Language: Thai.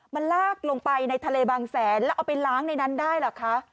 มันลากลงไปในทะเลบางแสนแล้วเอาไปล้างในนั้นได้เหรอคะ